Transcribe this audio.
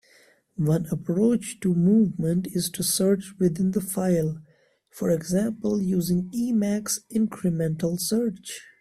One approach to movement is to search within the file, for example using Emacs incremental search.